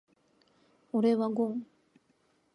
俺はゴン。